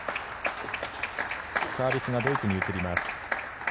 サービスがドイツに移ります。